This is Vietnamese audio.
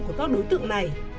của các đối tượng này